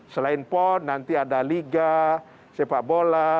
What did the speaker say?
selain pon nanti ada liga sepak bola